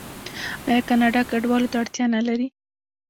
آیا کاناډا کډوالو ته اړتیا نلري؟